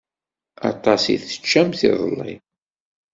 Aṭas i teččamt iḍelli.